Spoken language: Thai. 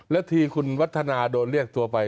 แล้วทีคุณวัฒนาโดนเรียกตัวไป